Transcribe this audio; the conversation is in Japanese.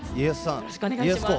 よろしくお願いします。